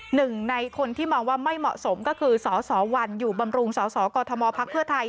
หนึ่งในคนที่มองว่าไม่เหมาะสมก็คือสสวันอยู่บำรุงสสกมพักเพื่อไทย